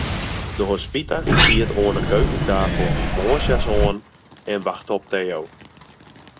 De hospita siet oan 'e keukenstafel, moarnsjas oan, en wachte op Theo.